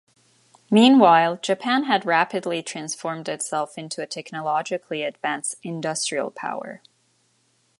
Meanwhile, Japan had rapidly transformed itself into a technologically advanced industrial power.